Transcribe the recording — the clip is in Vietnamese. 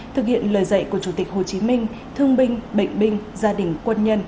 thực hiện lời dạy của chủ tịch hồ chí minh thương binh bệnh binh gia đình quân nhân